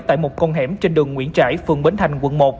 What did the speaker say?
tại một con hẻm trên đường nguyễn trãi phường bến thành quận một